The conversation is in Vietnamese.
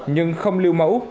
nhưng không lưu mẫu